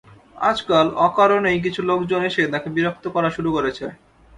আজকাল অকারণেই কিছু লোকজন এসে তাঁকে বিরক্ত করা শুরু করেছে।